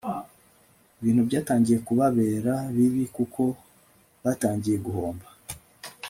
ibintu byatangiye kubabera bibi kuko batangiye guhomba